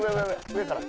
上から。